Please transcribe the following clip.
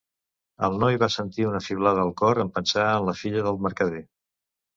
El noi va sentir una fiblada al cor en pensar en la filla del mercader.